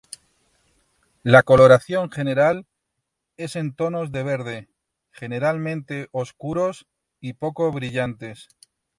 La coloración general es en tonos de verde, generalmente oscuros y poco brillantes.